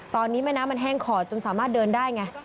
ตอนนี้แม่น้ำมันแห้งขอดจนสามารถเดินได้ไง